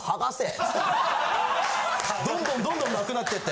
どんどんどんどん無くなってって。